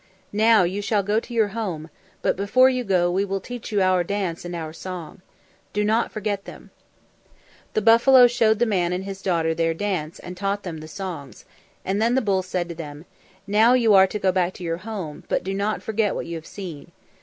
Now you shall go to your home, but before you go we will teach you our dance and our song. Do not forget them." The buffalo showed the man and his daughter their dance and taught them the songs, and then the bull said to them, "Now you are to go back to your home, but do not forget what you have seen.